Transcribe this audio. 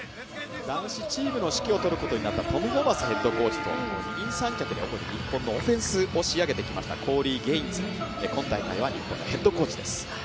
男子チームの指揮をとることになったトム・ホーバスヘッドコーチと二人三脚で日本のオフェンスを仕上げてきました、コーリー・ゲインズ、今大会は日本のヘッドコーチです。